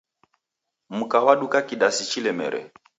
Mka waduka kidasi chilemere